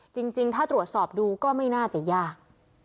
จริงถ้าตรวจสอบดูก็ไม่น่าจะยาก